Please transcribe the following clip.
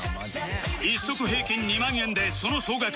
１足平均２万円でその総額